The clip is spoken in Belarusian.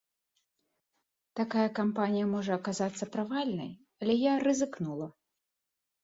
Такая кампанія можа аказацца правальнай, але я рызыкнула.